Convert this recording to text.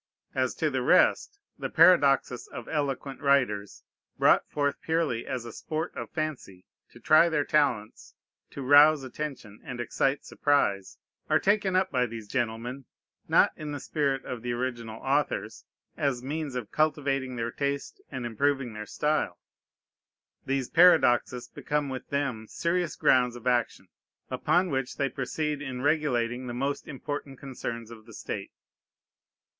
As to the rest, the paradoxes of eloquent writers, brought forth purely as a sport of fancy, to try their talents, to rouse attention, and excite surprise, are taken up by these gentlemen, not in the spirit of the original authors, as means of cultivating their taste and improving their style: these paradoxes become with them serious grounds of action, upon which they proceed in regulating the most important concerns of the state.